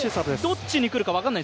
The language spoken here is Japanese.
どっちに来るか分からない？